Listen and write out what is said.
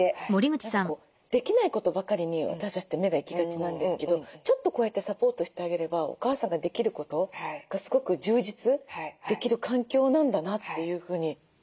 何かできないことばかりに私たちって目が行きがちなんですけどちょっとこうやってサポートしてあげればお母さんができることがすごく充実できる環境なんだなっていうふうに。